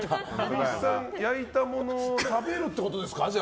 ホリさん、焼いたものを食べるってことですか？